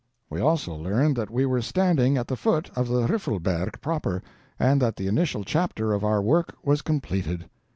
We also learned that we were standing at the foot of the Riffelberg proper, and that the initial chapter of our work was completed.